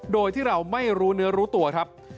โดยที่เราไม่รู้เนื้อรู้ตัวครับ